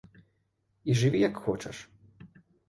І жыві як хочаш.